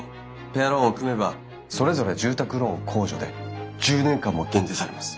ペアローンを組めばそれぞれ住宅ローン控除で１０年間も減税されます。